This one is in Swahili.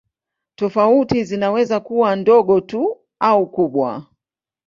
Tofauti zinaweza kuwa ndogo tu au kubwa.